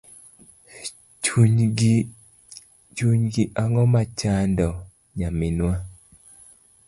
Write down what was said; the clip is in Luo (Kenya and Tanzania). Chunyi ang’o machando nyaminwa?